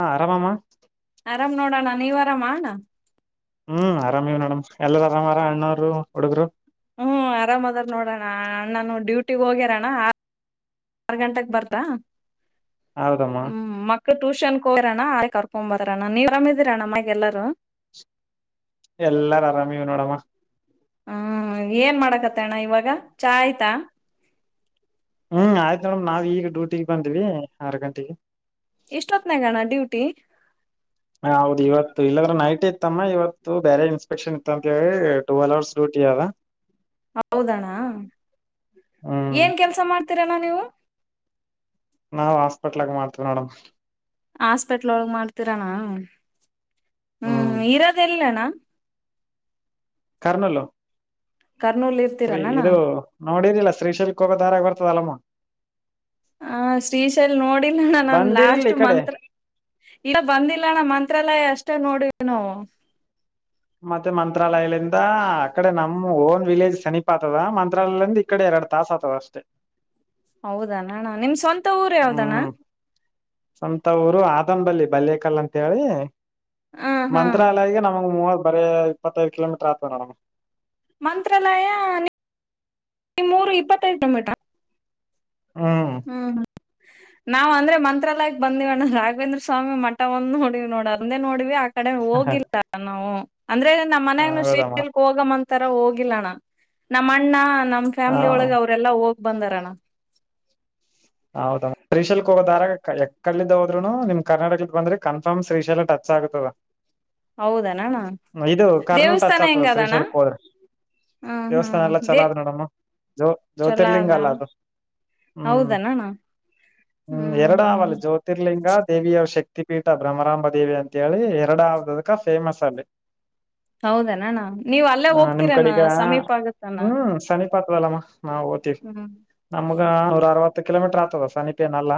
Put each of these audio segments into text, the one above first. ಹಾ ಆರಾಮಾಮಾ ಆರಾಮ್ ನೋಡೋಣ ನೀವ ಅರಾಮಣ ಹ್ಮ್ ಆರಾಮವ ನೇಡಮ್ ಎಲ್ಲರ ಆರಾಮಾರ ಅಣ್ಣವರು ಹುಡುಗ್ರು ಹ್ಮ್ ಆರಾಮಾದದಾರ ನೋಡೋಣ್ಣ ಅಣ್ಣಾನು ಡ್ಯೂಟಿಗ್ ಹೋಗ್ಯರಣ ಆರ್ ಗಂಟಕ್ ಬರ್ತಾ ಹೌದಮ್ಮ ಹ್ಮ್ ಮಕ್ ಟ್ಯೂಷನ್ಗೆ ಹೋರಣ್ಣ ಆ ಕರ್ಕೊ ಬಾರಾರಣ್ಣ ನೀವ್ ಆರಾಮಿದೀರಣ ಮಗೆ ಎಲ್ಲಾರೂ ಎಲ್ಲಾರ ಆರಾಮವ ನೋಡಮ್ಮ ಹ್ಮ್ ಏನ್ ಮಾಡಕತ್ತ ಅಣ ಇವಾಗ ಚಾ ಆಯ್ತಾ ಹ್ಮ್ ಆಯ್ತು ಮೇಡಮ್ ನಾವ ಈಗ ಡೂಟಿಗೆ ಬಂದಿವವಿ ಆರ್ ಗಂಟೆಗೆ ಎಷ್ಟೊತ್ನಾಗಣ್ಣ ಡ್ಯೂಟಿ ಹ ಹೌದು ಇವತ್ತು ಇಲ್ಲಾದ್ರೆ ನೈಟ್ೇ ಇತ್ತಮ್ಮ ಇವತ್ತು ಬೇರೆ ಇನ್ಸ್ಪೆಕ್ಷನ್ ಇತ್ತ ಅಂತ ಹೇಳಿ ಟವೆಲ್ ಅವವರ್ ಡ್ಯೂಟಿಯ ಅವ ಹೌದಣ್ಣ ಹ್ಮ್ ಏನ್ ಕೆಲ್ಸ ಮಾಡ್ತೀರಣ ನೀವು ನಾವವು ಹಾಸ್ಪಿಟ್ಲ್ ಆಗ ಮಾಡ್ತೇವಿ ನೋಡಮ್ ಆಾಸ್ಪೆಟ್ಲ್ ಒಳಗ್ ಮಾಡ್ತರಣ ಹ್ಮ್ ಇರೋದಲ್ಲಣ್ಣ ಕಾರಣಲ್ಲೋ ಕರ್ನೂಲ್ ಸ್ರೀ ಇರ್ತೀರನಣ್ಣ ಇದು ನೋಡಿನಿಲ್ಲ ಶ್ರೀಶೈಲ್ಕ್ ಹೋೋಗ ದಾರಾಗ ಬರ್ತದಲ್ಲಮ್ಮ ಹ ಶ್ರೀಶೈಲ್ ನೋಡಿಲ್ಲಣ್ಣ ನನ್ ಬಂದಿರಿಲ್ ಲಾಸ್ಟ್ ಈ ಕಡೆ ಮಂತ್ ಇಗ ಬಂದಿಲ್ಲ ನ ಮಂತ್ರಾಲಯ ಅಷ್ಟೇ ನೋಡಿನು ಮತ್ತೆ ಮಂತ್ರಾಲಯಗಳಿಂದ ಆ ಕಡೆ ನಮ್ ಓನ್ ವಿಲೇಜ್ ಸನೀಪ್ ಆತದ ಮಂತ್ರಾಲಯಿಂದ ಈ ಕಡೆ ಎರಡು ತಾಸಸ್ ಆಗ್ತದ ಅಷ್ಟೇ ಹೌದಾಣ ಅಣ್ಣ ನಿಮ್ ಸ್ವಂತ ಊರು ಯಾವ್ದಣ್ಣ ಹ್ಮ್ ಸ್ವಂತ ಊರು ಆದನ್ ಬಲ್ಲಿ ಬಲ್ಯಕಲ್ಲ ಅಂತ ಹೇಳಿ ಹ ಹಾ ಮಂತ್ರಾಲಯಗೆ ನಮಗ್ ಮೂವತ್ ಬರ ಇಪ್ಪತ್ತೈದು ಕಿಲೋಮೀಟರ್ ಆಗ್ತದೆ ನೋಡಮಗೆ ಮಂತ್ರಾಲಯ ಮೂರು ಇಪ್ಪತ್ತೈದು ಮೀಟ ಹ್ಮ ಹಾ ಹಾ ನಾವವು ಅಂದ್ರೆ ಮಂತ್ರಾಲಯ ಬಂದಿವವಣ್ಣ ರಾಘೇಂದ್ರ ಸ್ವಾಮಿ ಮಠ ಒಂದ ನೋಡೀ ನೋಡ ಅಂದೇ ನೋಡವಿ ಕಡೆ ಹ ಹೋಗಿಲ್ಲ ನಾವು ಅಂದ್ರೆ ನಮ್ಮ್ ಮನ ಹೌದಮ್ಮ ಹೋಗ ಮಂತರ ಹೋಗಿಲ್ಲಣ್ಣ ನಮ್ಮ ಅಣ್ಣ ನಮ್ ಹ ಫ್ಯಾಮ್ಲಿ ಒಳಗೆ ಅವರೆಲ್ಲಾ ಹೋಗ್ ಬಂದಾರಣ್ಣ ಹೌದ ಶ್ರೀಶಲ್ಕ್ ಹೋಗೋದಾರಾಗಕ್ ಕಡ್ಿದ್ದ ಹೋದ್ರುನು ನಿಮ್ ಕರ್ಟಕದ ಬಂದ್ರೆ ಕನ್ಫರ್ಮ್ ಶ್ರೀಶಲ್ ಟತ್ ಆಗದ ಹೌದನಣ್ಣ ಇದು ಕರ್ನೂಲ್ ಟಚ್ ದೇವಸ್ಥಾನ ಹೆಂಗ ಆಗ್ತದ ಅದಣ್ಣ ಶ್ರೀಶಲ್ಕ್ ಹೋದ್ರೆ ಹ್ಮ್ ದೇವಸ್ಥಾನ ಹ್ಮ್ ಎಲ್ಲ ದೇ ಚಲೋ ಅದ್ ನೋಡಮ್ಮ ಜ್ಯೋ ಜ್ಯೋತಿರ್ಲಿಂಗ ಅಲ್ಲ ಅದು ಹ್ಮ್ ಹೌದಣಣ್ಣ ಹ್ಮ್ ಎರಡ ಆಾವಲ್ಲ ಜ್ಯೋತಿ ತ್ತಿರ್ಲಿಂಗ ದೇವಿಯವ ಶಕ್ತಿ ಪೀಠ ಬ್ರಹ್ಮರಾಂಬ ದೇವಿ ಅಂತ ಹೇಳಿ ಎರಡಾವದಕ ಫೇಮಸ್ ಅಲ್ಲಿ [unintelligible] ಹೌದಣಣ್ಣ ನೀವ್ ಅಲ್ಲೇ ಹ ನಿಮ್ ಹೋಗ್ತೀರಣ ಕಡೆಗ ಸಮೀಪ ಆಗತ್ತಣ ಹಾ ಓತಿೀ ಹ್ಮ್ ನಮ್ಗ ನೂರ ಅರವತ್ತು ಕಿಲೋಮೀಟರ್ ಆಗ್ತದ ಸಮಿಪ ನಲ್ಲ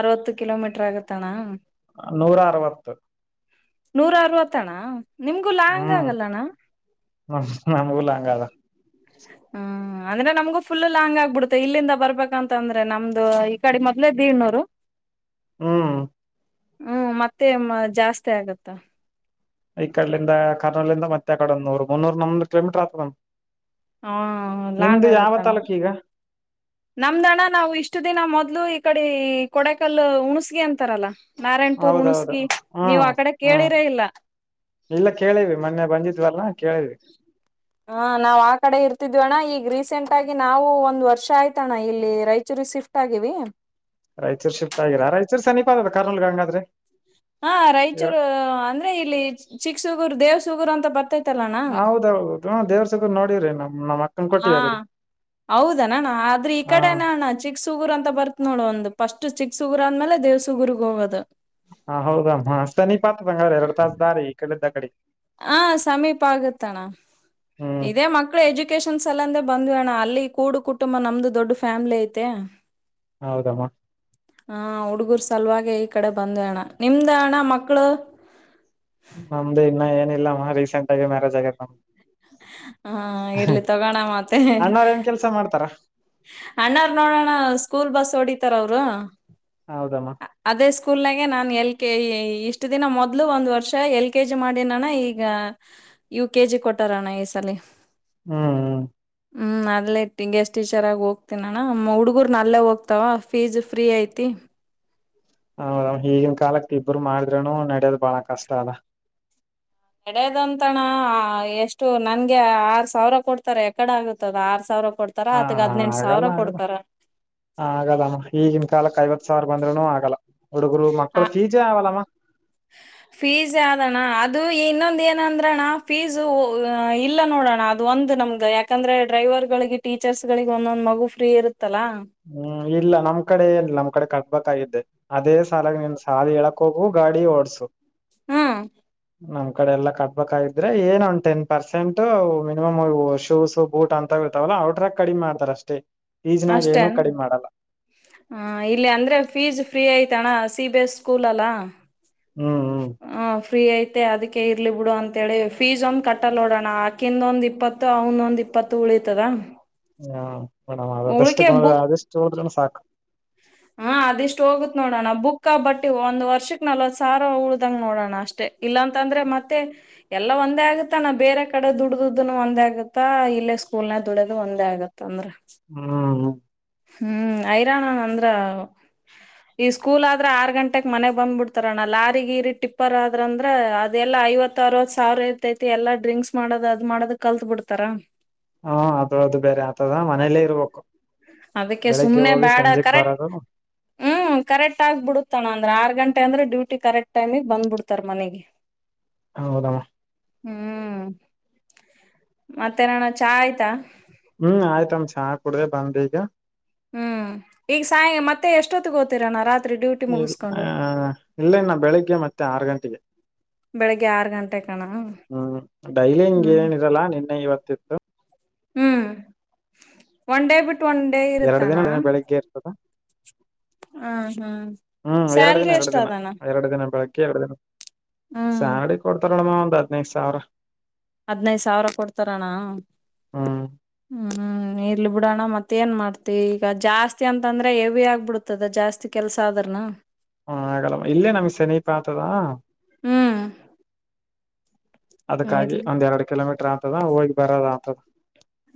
ಅರವತ್ತು ಕಿಲೋಮೀಟರ್ ಆಗತ್ತಣ್ಣ ನೂರ ಅರವತ್ತು ನೂರ ಅರವತ್ತಣ್ಣ ನಿಮ್ಗು ಲಾಂಗ್ ಆಗಲ್ಲಣ್ಣ ಹ ನಮ್ಗಲ ಹಂಗದ ಹ್ಮ್ ಅಂದ್ರೆ ನಮ್ಗೂ ಫುಲ್ ಲಾಂಗ್ ಆಗ್ಬಿಡುತ್ತೆ ಇಲ್ಲಿಂದ ಬರ್ಬೇಕಂತ ಅಂದ್ರೆ ನಮ್ದು ಕಡೆ ಮೊದ್ ಇದ್ದೀ ಇ್ಣೂರು ಹ್ಮ ಹ್ಮ್ ಮತ್ತೆ ಜಾಸ್ತಿ ಆಗತ್ತಾ ಈ ಕಡಿಂದ ಕರ್ನೂಲಿಂದ ಮತ್ತ ಆ ಕಡ ನೂರು ಮುನ್ನೂ ನೂ ಕಿಲೋಮೀಟರ್ ಆತದ್ ಹ ಲಾಂಗ್ ನಿಮ್ದು ಯಾವ ಆಗತ್ತಣ್ಣ ತಲ್ಲೂಕು ಈಗ ನಮ್ದಣ್ಣ ನಾವು ಇಷ್ಟು ದಿನ ಮೊದ್ಲು ಈ ಕಡೆ ಕೊಡಕಲ್ ಉಣ್ಸ್ಗಿ ಅಂತಾರಲ್ಲ ನಾರಾಯಣ್ಪುರ್ ಹೌದೌದು ಉಣಸ್ಗಿ ನೀವ್ ಹ್ಮ್ ಆ ಕಡೆ ಹ್ಮ್ ಕೇಳಿರ ಇಲ್ಲ ಇಲ್ಲ ಕೇಳಿವವಿ ಮೊನ್ನೆ ಬಂದಿದ್ವಲ್ಲ ಕೇಳವಿ [unintelligible] ಹಾ ನಾವ್ ಆ ಕಡೆ ಇರ್ತಿದ್ವ ಅಣ್ಣ ಈಗ ರೀಸೆಂಟ್ ಆಗಿ ನಾವು ಒಂದ್ ವರ್ಷ ಆಯ್ತಣ್ಣ ಇಲ್ಲಿ ರಾಯಚೂರು ಶಫ್ಟ್ ಗಾಗಿವ ರಾಯಚೂರ್ ಶಿಫ್ಟ್ಗಿರಾ ರಾಯಚೂರು ಸೀಪ ಅದ ಕೋಲ್ ಹಂಗಾದ್ರೆ ಹಾ ರಾಯಚೂರು ಅಂದ್ರೆ ಇಲ್ಲಿ ಚಿಕ್ಸುಗುರ್ ದೇವ್ಸುಗುರ್ ಅಂತ ಬರ್ತೈ ಹೌದೌದೌದು ಹ ದೇವ್ರ ಸಗ ನೋಡವ್ರಿ ನ್ಮ್ ಹಾ ಹೌದಣಣ ಆದ್ರೆ ಈ ಹ ಕಡೆನ ಅಣ್ಣ ಚಿಕ್ಕ ಚಿಕ್ಸುಗುರು ಅಂತ ಬತ್ತತ್ ನೋ ಒಂದು ಸ್ಟ್ ಚಿಕ್ ಸುಗು ಅಂದ್ಮೇಲೆ ದೇವಸುಗುರ್ಗ್ ಹೋಗೋದು ಹಾ ಹೌದಮ್ಮ ಸ ನೀ ಪಾತ್ ತಂಗ ಎರಡು ತಾಸ ದಾರಿ ಈ ಕಡೆದ ಕಡೆ [unintelligible] ಹಾ ಸಮೀಪ ಆಗುತ್ತಣ ಹ್ಮ್ ಇದೇ ಮಕ್ಕ ಎಜುಕೇಶನ್ಸ್ ಎಲ್ಲಂದೆ ಬಂದ್ವಿ ಅಣ್ಣ ಅಲ್ಲಿ ಕೂಡು ಕುಟುಂಬ ನಮ್ದು ದೊಡ್ ಫ್ಯಾಮಿಲಿ ಐತೆ ಹೌದಮ್ಮ ಹಾ ಹುಡುಗರು ಸಲುವಾಗ ಈ ಕಡೆ ಬಂದ್ ಅಣ್ಣ ನಿಮ್ದ ಅಣ್ಣ ಮಕ್ಳು ನಮ್ದು ಇನ್ನ ಏನಿಲ್ಲ ಅಮ್ಮ ರೀಸೆಂಟ್ ಆಗ ಮ್ಯಾರಜ್ ಆತ್ ನಮ್ ಹಾ ಇರ್ಲಿ ತಗೋಣ ಮತ್ತೆ ಕೆಲಸ ಮಾಡ್ತಾರಾ ಅಣ್ಣಾರ್ ನೋಡೋಣ ಸ್ಕೂಲ್ ಬಸ್ ಓಡಿತಾರ ಅವರು ಹೌದಮ್ಮ ಅದೇ ಸ್ಕೂಲ್ ನಾಗೆ ನಾನ್ ಎಲ್ ಕೆ ಇಷ್ಟ ದಿನ ಮೊದ್ಲು ಒಂದ್ ವರ್ಷ ಎಲ್ ಕೆ ಜಿ ಮಾಡಿನನ ಈಗ ಈಗ ಇವು ಕೆಜಿ ಕೊಟ್ಟಾರಣ್ಣ ಈ ಸಲಿ ಹ್ಮ್ ಹ್ಮ್ ಅದಇಟ್ಟಿಂ ಎಷ್ಟ [unintelligible] ಟೀಚರಾಗಿ ಹೋಗ್ತೀನಿ ಅಣ ಹುಡುಗರು ನಲ್ಲೇ ಹೋಗ್ತಾವ ಫೀಸ್ ಫ್ರೀ ಐತಿ ಹೌದ್ ಈಗಿನ ಕಾಲಕ್ ಇಬ್ರು ಮಾಡ್ರೂನು ನಡ್ಯೋ ಬಾಳ ಕಷ್ಟ ಅಲ್ಲ ಎಡದಂತಣ ಎಷ್ಟು ನನ್ಗೆ ಆರ್ ಸಾವಿರ ಕೊಡ್ತಾರೆ ಎಕಡ ಆಗುತ್ತದ ಆರ್ ಸಾವಿರ ಕೊಡ್ತ ರಾ ಅದಕ್ಕೆ ಹದಿನಂಟ್ ಸಾವಿರ ಕೊಡ್ತಾರ ಆಗದಮ್ಮ ಈಗಿನ ಕಾಲಕ್ಕೆ ಐವತ್ ಸಾವಿರ ಬಂದ್ನು ಆಗಲ್ಲ ಹುಡುಗರು ಮಕ್ಕಳು ಫೀಸ್ ಆವಲ್ಲಾಮಾ ಹ ಫೀಸ್ ಆದಣ್ಣ ಅದು ಇನ್ನೊಂದು ಏನಂದ್ರಣ್ಣ ಫೀಸ್ಇಲ್ಲ ನೋಡೋಣ ಅದು ಒಂದು ನಮಗೆ ಯ ಯಾಕಂದ್ರೆ ಡ್ರೈವರ್ಗಳಿಗೆ ಟೀಚರ್ಸ್ ಗಳಿಗೆ ಒಂದೊಂದ್ ಮಗು ಫ್ರೀ ಇರುತ್ತಲ್ಲಾ ಹ್ಮ್ ಇಲ್ಲ ನಮ್ ಕಡೆ ಏಲ್ಲ ನಮ್ ಕಡೆ ಕಟ್ಬೇಕಾಗಿದ್ದೆ ಅದೇ ಸಾಲಾಗ ನಿನ್ ಸಾಲ ಹೇಳಕ್ ಹೋಗು ಗಾಡಿ ಓಡ್ಸು ಹ್ಮ್ ನಮ್ ಕಡೆ ಎಲ್ಲಾ ಕಟ್ಬೇಕಾಗಿದ್ರೆ ಏನ ಒಂದ ten percent minimum shoes boot ಅಂತ ತಾವಲ್ಲ ಅವ್ರ ಟ್ರಕ್ ಕಡಿಮೆ ಮಾಡತ ಅಷ್ಟೇ ಫೀಜ್ನಾಗ ಏನು ಅಷ್ಟನ್ ಕಡಿಮೆ ಮಾಡಲ್ಲ ಹ ಇಲ್ಲಿ ಅಂದ್ರೆ ಫೀಸ್ ಫ್ರೀ ಆಯ್ತಣ್ಣ ಸಿ ಬಿ ಎಸ್ ಸ್ಕೂಲ್ ಅಲ್ಲಾ ಹ್ಮ್ ಹ್ಮ್ ಫ್ರೀ ಐತೆ ಅದಕ್ಕೆ ಇರಲಿ ಬಿಡು ಅಂತಥೇಳಿ ಫೀಸ್ ಒಂದು ಕಟ್ಟಲ್ ನೋಡೋಣ ಆಕಿಂದ ಒಂದು ಇಪ್ಪತ್ತು ಅವನೊಂದ್ ಇಪ್ಪತ್ತು ಉಳಿತದ ಹ್ಮ ಮೇಡ್ ಅ ಅದೆಷ್ಟು ಉಳಿಕೆ ಗುಣ ಬುಕ್ ಅದೆಷ್ಟು ಹೋಳ ಜನ ಸಾಕು [unintelligible] ಹಾ ಅದಿಷ್ಟು ಹೋಗುತ್ ನೋಡಣ ಬುಕ್ ಬಟ್ಟಿ ಒಂದ ವರ್ಷಕ್ ನಲ್ವತ್ ಸಾವಿರ ಉಳ್ದಂಗ ನೋಡೋಣ ಅಷ್ಟೇ ಇಲ್ಲಾ ಅಂತ ಅಂದ್ರೆ ಮತ್ತೆ ಎಲ್ಲ ಒಂದೇ ಆಗತ್ತಾ ನಾ ಬೇರೆ ಕಡೆ ದುಡ್ದದನು ಒಂದೇ ಆಗುತ್ತಾ ಇಲ್ಲೇ ಸ್ಕೂಲ್ನ ದುಡ್ಯದು ಒಂದೇ ಆಗತ್ತ ತೊಂದ್ರ ಹ್ಮ್ ಹ್ಮ ಹ್ಮ್ ಹೈರಾಣ ಅಂದ್ರ ಈ ಸ್ಕೂಲ್ ಆದ್ರ ಆರ್ ಗಂಟೆಗೆ ಮನೆ ಬಂದ್ಬ ಬಿಡ್ತಾರಣ್ಣ ಲಾರಿ ಗೀರಿ ಟಿಪ್ಪರ್ ಆದ್ರ ಅಂದ್ರ ಅದೆಲ್ಲಾ ಐವತ್ತು ಅವತ್ ಸಾವಿರ ಐತೈತಿ ಎಲ್ಲ ಡ್ರಿಂಕ್ಸ್ ಮಾಡೋದ ಅದ್ ಮಾಡೋ್ ಕಲ್ತ್ ಬಿಡ್ತಾರ ಹಾ ಅದು ಅದು ಬೇರೆ ಆತದ ಮನೇಲ್ಲೇ ಇರ್ಬೇಕು ಅದಕ್ಕೆ ಬೆಳಿಗ್ಗೆ ಸುಮ್ನೆ ಹೋಗಿ ಬೇಡ ಸಂಜೆಗ್ ಕರೆಕ್ಟ್ ಬರೋದು ಹ್ಮ್ ಕರೆಕ್ಟ್ ಆಗ್ಬ ಬಿಡತಣ ಅಂದ್ರೆ ಆರ್ ಗಂಟೆ ಅಂದ್ರೆಡ್ಯೂಟಿ ಕರೆಕ್ಟ್ ಟೈಮಗ್ ಬಂದ್ಬಿಡ್ತಾರ ಮನೆಗೆ [unintelligible] ಹ ಹೌದಮ್ಮ ಹ್ಮ್ ಮತ್ತೆನಣ ಚಾ ಆಯ್ತಾ ಹ್ಮ್ ಆಯ್ತಮ್ಮ ಚಾ ಕುಡ್ರ ಬಂದ್ ಈಗ ಹ್ಮ್ ಈಗ ಸಾಯಂ ಮತ್ತೆ ಎಷ್ಟೊತ್ತಿಗೆ ಹೋತರಣ ರಾತ್ರಿ ಡ್ಯೂಟಿ ಮುಗಿಸ್ಕೊಂಡು ಇಲ್ಲ ಇನ್ನು ಬೆಳಿಗ್ಗೆ ಮತ್ತೆ ಆರು ಗಂಟೆಗೆ ಬೆಳಿಗ್ಗೆ ಆರು ಗಂಟೆ ಕಣ ಹ್ಮ್ ಡೈಲಿಂಗ ಏನಿರಲ್ಲ ನಿನ್ನೆ ಇವತ್ತಿತ್ತು ಹ್ಮ್ ಒನ್ ಡೇ ಬಿಟ್ಟು ಒನ್ ಡೇ ಎರಡ್ ಇರುತ್ತಾನ್ಣ ದಿನ ಹ್ಮ್ ಹ್ಮ್ ಎರಡು ದಿನ ಸ್ಯಾಲ್ರಿ ಎರಡು ಎಷ್ಟ ದಿನ ಅದಣ ಎರಡು ದಿನ ಬೆಳಗ್ಗೆ ಕೇಳ ಹ್ಮ್ ಸ್ಯಲ್ರಿ ಕೊಡ್ತಾರಣಮ್ಮ ಒಂದ್ ಹದ್ ನೈದು ಸಾವಿರ ಹದ್ನೈದ ಸಾವಿರ ಕೊಡ್ತಾರಣ ಹ್ಮ್ ಹ್ಮ ನೀರ್ಲ್ಲಿ ಬಿಡೋಣ ಮತ್ತ ಏನು ಮಾಡ್ತಿವಿ ಈಗ ಜಾಸ್ತಿ ಅಂತಂದ್ರೆ ಹೆವಿ ಆಗ್ಬಿಡ್ತದ ಜಾಸ್ತಿ ಕೆಲಸ ಆದ್ರನು ಹ್ಮ ಆಗಲ್ಲ ಇಲ್ಲೇ ನಮ್ಗ್ ಸಮನೀಪ ಆತದಾ ಹ್ಮ್ ಅದಕ್ಕಾಗಿ ಇರ್ಲಿ ಒಂದ್ ಎರಡು ಕಿಲೋಮೀಟರ್ ಅಂತದ ಹೋಗಿ ಬರದ ಅಂತದ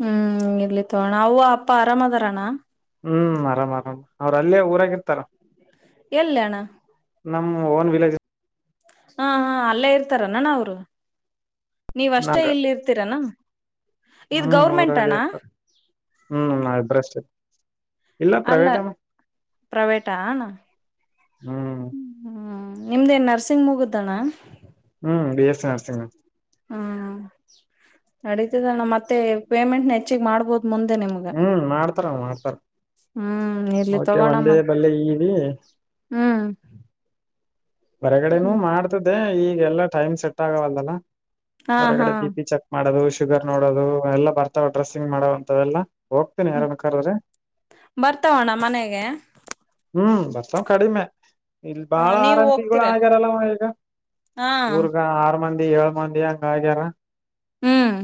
ಹ್ಮ್ ಇಲ್ಲಿ ತಗೋಣ ಅವು ಅಪ್ಪ ಆರಾಮದಾರಣ್ಣ ಹ್ಮ್ ಆರಾಮ್ ಆರಾಮ್ ಅವ್ರ ಅಲ್ಲೇ ಊರಾಗಿ ಇರ್ತಾರ ಎಲ್ಲಣ ನಮ್ ಓನ್ ವಿಲೇಜ್ ಹಾ ಹಾ ಅಲ್ಲೇ ಇರ್ತಾರ ನಾನ ಅವ್ರು ನೀವ ಅಷ್ಟೇ ನಾಗ ಇಲ್ಲಿ ಇರ್ತೀರನಾ ಇ ಹ್ಮ್ ಗೌರ್ಮೆಂಟ್ ಊರಾಗೆ ಅಣ್ಣ ಇರ್ತಾರ ಹ್ಮ್ ಷ್ಟ ಅಲ್ಲ ಪ್ರೈವೇಟಾ ಹ್ಮ್ ಹ್ಮ್ ನಿಮ್ದೇನ್ ನರ್ಸಿಂಗ್ ಮುಗುದ್ದಣ ಹ್ಮ್ ಬಿ ಎಸ್ ಸಿ ನರ್ಸಿಂಗ್ ಹ್ಮ ನಡೀತದಣ್ಣ ಮತ್ತೆ ಪೇಮೆಂಟ್ ಹೆಚ್ಚಿಗೆ ಮಾಡ್ಬೋದು ಮುಂದೆ ನಿಮಗೆ ಹ್ಮ್ ಮಾಡ್ತಾರ ಮಾಡ್ತಾರ ಹ್ಮ್ ಇರ್ಲಿ ಓಕೆ ತಗೋಣ ಒಂದ ಮತ್ ಬಲ್ಲೆ ಈವಿ ಹ್ಮ್ ಹೊರಗಡೆನುೂ ಮಾಡ್ತ್ದೆ ಈಗೆಲ್ಲಾ ಟೈಮ್ ಸೆಟ್ ಆಗವಲ್ದಲ್ಲ ಹಾ ಹಾ ಹೊರಗಡೆ ಬಿ ಪಿ ಚೆಕ್ ಮಾಡೋದು ಶುಗರ್ ನೋಡೋದು ಎಲ್ಲ ಬರ್ತಾವ ಡ್ರೆಸ್ಸಿಂಗ್ ಮಾಡೋಂತ್ದಲ್ಲ ಹೋಗ್ತೇನಿ ಯಾರನ್ ಕ್ರೀ ಬರ್ತಮನ ಮನೆಗೆ ಹ್ಮ್ ಬರ್ಸವ ಕಡಿಮೆ ಇಲ್ ಹ ಬಾಳ ನೀವ್ ಆರಂಂತಿಗಳು ಹೋಗ್ತೀರ ಆಗ್ಯಾರಲ್ಲ ಅವ ಈಗ ಹಾ ಊರ್ಗ ಆರ್ ಮಂದಿ ಏಳ್ ಮಂದಿ ಹಂಗ ಆಗ್ಯಾರ ಹ್ಮ್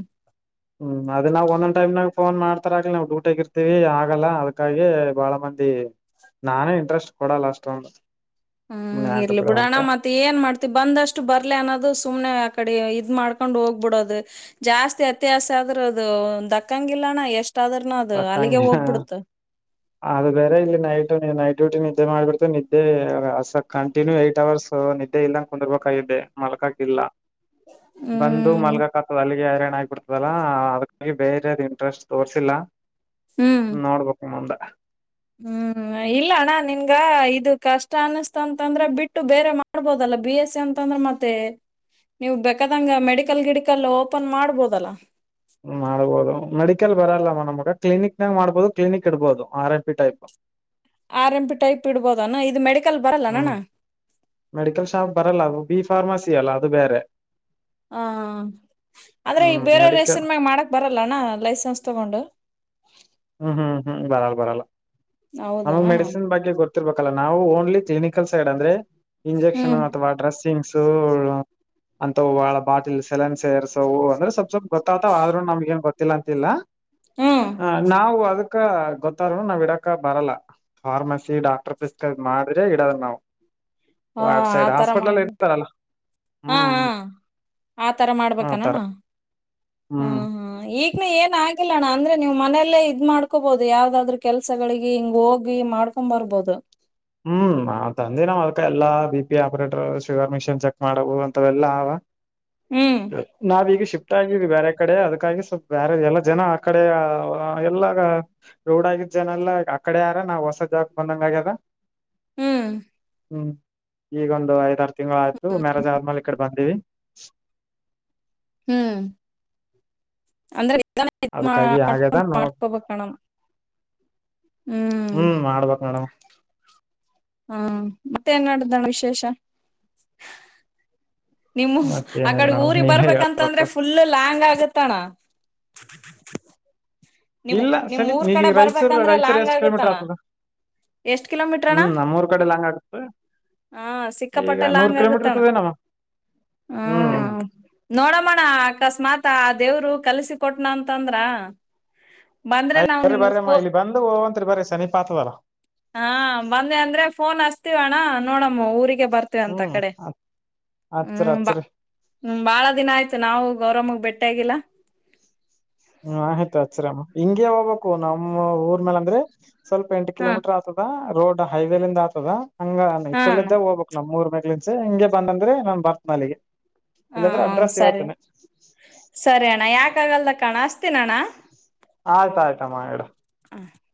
ಹ್ಮ್ ಅದ ನಾವ ಒಂದ್ಟೈಮ್ನ ನ್ ಮಾಡ್ ಹತ್ತರ ಆಗ್ ನಾವು ಡೂಟ್ ಆಗಿರ್ತೀವಿ ಆಗಲ್ಲ ಅದಕ್ಕಾಗಿ ಬಾಳ ಮಂದಿ ನಾನೇ ಇಂಟ್ರೆಸ್ಟ್ ಕೊಡಲ್ಲ ಅಷ್ಟೊಂದು ಸುಮ್ನೆ ಹ್ಮ್ ಯಾಕ ಇರ್ಲಿ ಬಿಡು ಬಿಡೋಣ ಅಂತ ಮತ್ತೆ ಮತ್ತ ಏನ್ ಮಾಡ್ತಿವಿ ಬಂದಷ್ಟು ಬರ್ಲ ಅನ್ನೋದು ಸುಮ್ನೆ ಆಕಡೆ ಇದ್ ಮಾಡ್ಕೊಂಡ್ ಹೋಗ್ಬಿಡೋದು ಜಾಸ್ತಿ ಅತ್ಯಾಸ ಆದ್ರೂ ಅದು ದಕ್ಕಂಗಿಲ್ಲಣ ಎಷ್ಟ ಆದ್ರನ ಅದು ಅಲ್ಲಿಗೆ ಸಾಕಂಗೆ ಹೋಗ್ಬಿಡ್ತ ಅದು ಬೇರೆ ಇಲ್ಲಿ ನೈಟ್ ನೈಟ್ ಡ್ಯೂಟಿ ನಿದ್ದೆ ಮಾಡಿಬಿಡ್ತು ನಿದ್ದೆಸಕ್ ಕಂಟಿನ್ಯೂ ಏಟ್ ಅವರ್ಸ್ ನಿದ್ದೆ ಇಲ್ಲಂಗ ಕುಂದಿರ್ಬೇಕಿದ್ದೆ ಮಲ್ಕಕಿಲ್ಲ ಬಂದು ಹ್ಮ್ ಮಲ್ಗಾಕ್ತದ ಅಲ್ಲಿಗೆ ಹಾರ್ ಆಿಬಿಡ್ತದೆ ಲ್ಲ ಅದ್ಕ್ಕಾಗಿ ಬೇರೆದು್ ಇಂಟ್ರೆಸ್ಟ್ ತೋರ್ಸಿಲ್ಲ ಹ್ಮ್ ನೋಡ್ಬೇಕ ಮುಂದೆ ಹ್ಮ್ ಇಲ್ಲ ಅಣ್ಣ ನಿಮ್ಗ ಇದು ಕಷ್ಟ ಅನಿಸ್ತ ಅಂತಂದ್ರೆ ಬಿಟ್ಟು ಬೇರೆ ಮಾಡ್ಬೋದಲ್ಲ ಬಿ ಎಸ್ ಸಿ ಅಂತಂದ್ರೆ ಮತ್ತ ಮತ್ತೆ ನೀವು್ ಬೇಕಾದಂಗ ಮೆಡಿಕಲ್ ಗಿಡಕಲ್ಲ ಓಪನ್ ಮಾಡ್ಬೋದಲ್ಲ ಮಾಡ್ಬಹದು ಮೆಡಿಕಲ್ ಬರಲ್ಲವ ನಮಗ ಕ್ಲಿನಿಕ್ ನಾಗ ಮಾಡ್ಬಹದು ಕ್ಲಿನಿಕ್ ಇಡ್ಬಹದು R M P type R M type ಇಡ್ಬೋದ ಅಣ್ಣ ಇದು ಮೆಡಿಕಲ್ ಬರಲ್ಲ ಹ್ಮ್ ಅಣ್ಣ ಮೆಡಿಕಲ್ ಶಾಪ್ ಬರಲ್ಲ ಅದು ಬಿ ಫಾರ್ಮಸಿ ಅಲ್ಲ ಅದು ಬೇರೆ ಹ ಅಂದ್ರೆ ಈ ಹ್ಮ್ ಮೆಡಿಕಲ್ ಬೇರೆೆಯವಸನ್ಮಾಗ ಮಾಡಕ್ ಬರಲ್ಲಣ ಲೈಸೆನ್ಸ್ ತಗೊಂಡು ಹ್ಮ್ ಹ್ಮ್ ಹ್ಮ್ ಬರಲ್ಲ ಬರಲ್ಲ ನಮಗ್ ಹೌದನಣ್ಣ ಮೆಡಿಸಿನ್ ಬಗ್ಗೆ ಗೊತ್ತಿರ್ಬೇಕಲ್ಲ ನಾವು ಓನ್ಲಿ ಜನಿ ಲ್ ಸೈಡ್ ಅಂದ್ರೆ ಇಂಜೆಕ್ಷನ್ ಹ್ಮ್ ಅಥವಾ ಟ್ರಸ್ ಓಗ್ಸ್ ಅಂತಳ ಬಾಟಲ್ ಸೆಲನ್ ಸೇರ್ಸ್ ಸ ಅಂದ್ರೆ ಸ್ವಲ್ ಸ್ವಲ್ಪ ಗೊತ್ತ್ತಾವ್ ಆದ್ರು ನಮ್ಗಏನ್ ಗೊತ್ತಿಲ್ಲ ಅಂತಿಲ್ಲ ಹಾ ಹ ನಾವು ಅದಕ್ಕ ಗೊತ್ತಾರನು ನಾವ್ ಇಡಕ ಬರಲ್ಲ ಫಾರ್ಮಸಿ ಡಾಕ್ಟರ್ ಪ್ರಿಸ್ಕ್ರ ಮಾಡ್ರೆ ಇಡದ್ ನಾವು ಹ ವಾಟ್ಸೈಡ್ ಆತರ ಹಾಸ್ಪಿಟಲ ಮಾಡ್ಬೇಕ ಇತ ಅಲ್ಲ ಹಾ ಹಾ ಆತರ ಮಾಡ್ಬೇಕನಣ ಆತರ ಹ ಹ್ಮ್ ಹಾ ಈ ಏನ್ ಆಗಿಲ್ಲಣ್ಣ ಅಂದ್ರೆ ನೀ್ ಮನೆಯಲ್ಲೇ ಇದ್ ಮಾಡ್ಕೋಬಹುದು ಯಾವ್ದಾದ್ರರು ಕೆಲ್ಸಗಳಿಗೆ ಹಿಂಗ ಹೋಗಿ ಮಾಡ್ ತಂಬರ್ಬೋದು ಹ್ಮ್ ನ ತಂದೆ ನಾವ್ ಅದಕ ಎಲ್ಲಾ B P operator sugar machine check ಮಾಡಬು ಅಂತವೆಲ್ಲ ಅವ ಹ್ಮ್ ನಾವೀಗ ಶಿಫ್ಟ್ ಆಗಿದೀವಿ ಬೇರೆ ಕಡೆ ಅದಕ್ಕಾಗಿ ಸ್ವಲ್ಪ ಬೇರೆ ಎಲ್ಲ ಜನ ಆ ಕಡೆ ಎಲ್ಲಾಗ ರೂಡ್ ಆಗಿದ್ದ ಜನಲ್ಲ ಅಕಡೆ ಯಾರ ನಾವ್ ಹೊಸ ಜಾಕ್ ಬಂದಂಗ ಆಗ್ಯದ ಹ್ಮ್ ಹ್ಮ್ ಈಗ ಒಂದು ಐದ್ರು ತಿಂ ಳ ಆಯ್ತು ಮ್ಯಾರೇಜ್ ಆದ್ಮೇಲೆ ಈ ಕಡೆ ಬಂದಿವವಿ ಹ್ಮ್ ಅಂದ್ರೆ ಅದಕ್ಕಾಗಿ ಆಗ್ಯದ ನೋಡ್ ಮಾಡಸ ಬಣ ಹ್ಮ್ ಮಾಡ್ಬೇಕೇಕ್ ಮೇಡಮ್ ಹಾ ಮತ್ತೆ ನ್ ಮಾಡಡ್ದಣ ವಿಶೇಷ ನಿಮ್ಮ ಮತ್ತ ಏನಿಲ್ಲ ಆಕಡೆ ನೋಡಮ್ ಊರಿಗೆ ನೀವೇ ಬರ್ಬೇಕಂತಂದ್ರೆ ಹೇಳ್ಬೇಕು ಫುಲ್ ಲ್ಯಾಂಗ್ ಆಗತ್ತಣ ನಿಮ್ ಇಲ್ಲ ನಿಮ್ ಸನೀಪ್ ಊರ್ ನೀಗ ಕಡೆ ಈಗ ರಾಯಚೂರ್ ಬರ್ಬೇಕಂದ್ರೆ ರಾಯಚೂರ್ ಎಷ್ಟು ಕಿಲೋಮೀಟರ್ ಆತದ ಎಷ್ಟ ಕಲಮೀರ್ ಹ್ಮ್ ನಮ್ಮೂರ್ ಕಡೆಲ್ಲ ಹಂಗ ಆಡತ ಹಾ ಈಗ ಸಿಕ್ಕಾಪಟ್ಟೆ ನೂರ್ ಲಾಂಗ್ ಕಿಲೋಮೀಟರ್ ಆಗತ್ತಣ ಇರ್ತದೆ ನಮ್ಮ ಹ್ಮ್. ನೋಡಮ್ಮಣ ಅಕಸ್ಮಾತ್ ಆ ದೇವ್ರು ಕಲ್ಸಿ ಕೊಟನ ಅಂತಂದ್ರ. ಬಂದ್ರೆ ಆಯ್ತು ನಾವ್ ಬರಿ ಬರಿ ನಿಮಗ್ ಅಮ್ಮ ಫೋ ಇಲ್ಲಿ ಬಂದು ಹೋಗವಂತತ್ರಿ ಬರಿ ಸಮೀಪಾಯ್ತದಲ್ಲ. ಹಾ ಬಂದೆ ಅಂದ್ರೆ ಫೋನ್ ಹಸ್ತಿವಣ ನೋಡಮ್ಮ ಊರಿಗೆ ಬರ್ ಅಂತ ಹ್ಮ್ ಕಡೆ ಹಚ್ರಿ ಹ್ಮ್ ಬಾ ಹಚ್ರಿ ಹ್ಮ್ ಬಾಳ ದಿನ ಆಯ್ತು ನಾವು ಗೌರವಮ್ಮಗ್ ಬೆಟ್ಟೆ ಆಗಿಲ್ಲಾ. ಹ್ಮ ಆಯ್ತು ಅಚ್ಚರಿಮ್ಮ ಹಿಂಗೆ ಹೋಗ್ಬೇಕು ನಮ್ಮ್ಊರ್ ಮೇ ಅಂದ್ರೆ ಸ್ವಲ್ಪ ಎಂಟು ಹಾ ಕಿಲೋಮೀಟರ್. ಆಗ್ತದ ರೋಡ್ ಹೈವೇಲಂದ ಆತದ ಹಂಗ ಇ ಹಾ ಅಣ್ಣ ಕಿದ್ದೆ ಹೋಗ್ಬೇಕ. ನಮ್ ಮೂರ್ ಮಕ್ಳನ್ಸ ಹಿಂಗೆ ಬಂದ್ರೆ ನಾನ್ ಬರ್ತ್ನ ಅಲ್ಲಿಗೆ. ಹಾ ಇಲ್ಲಾಂದ್ರೆ ಅಡ್ರೆಸ್ ಸರಿ ಹೇಳ್ತೇನೆ ಸರಿ ಅಣ್ಣ ಯಾಕಗಲ್ದ ಕಣ ಅಸ್ತೀನ ಅಣ್ಣ. ಆಯ್ತ ಆಯ್ತಾ ಅಮ್ಮಾ ಇಡು. [inaudible]